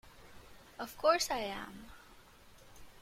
Of course I am!